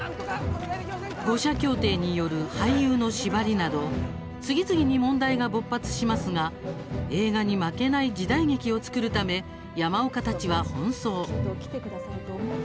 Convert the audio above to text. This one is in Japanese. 五社協定による俳優の縛りなど次々に問題が勃発しますが映画に負けない時代劇を作るため、山岡たちは奔走。